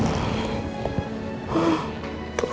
selamat tinggal anak anak